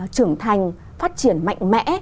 trưởng thành phát triển mạnh mẽ